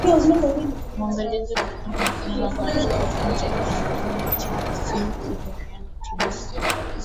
mwangalizi kutoka baraza la maaskofu nchini tanzania tihisin lilian tibuku